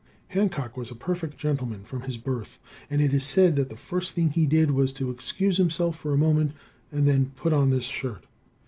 Hancock was a perfect gentleman from his birth, and it is said that the first thing he did was to excuse himself for a moment and then put on this shirt.